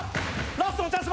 ラストのチャンス